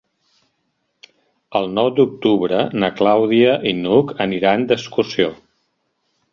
El nou d'octubre na Clàudia i n'Hug aniran d'excursió.